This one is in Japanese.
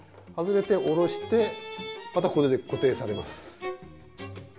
外れて下ろしてまたこれで固定されます。